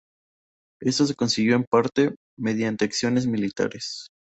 Esto se consiguió en parte, mediante acciones militares.